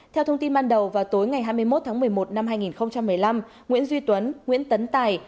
theo thông tin ban đầu vào tối ngày hai mươi một tháng một mươi một năm hai nghìn một mươi năm nguyễn duy tuấn nguyễn tấn tài